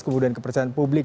kemudian kepercayaan publik